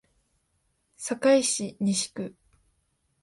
堺市西区